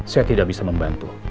saya tidak bisa membantu